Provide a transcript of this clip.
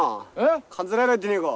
かじられてねえか。